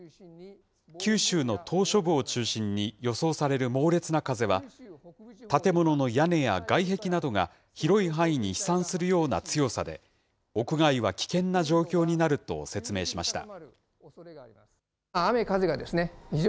九州の島しょ部を中心に予想される猛烈な風は、建物の屋根や外壁などが広い範囲に飛散するような強さで、屋外は危険な状況になると説明しました。